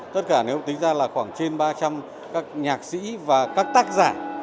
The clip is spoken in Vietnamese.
tất cả này cũng tính ra là khoảng trên ba trăm linh các nhạc sĩ và các tác giả